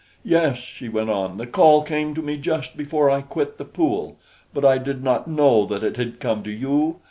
"Yes," she went on, "the call came to me just before I quit the pool; but I did not know that it had come to you.